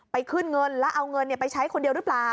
ขึ้นเงินแล้วเอาเงินไปใช้คนเดียวหรือเปล่า